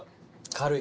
軽い。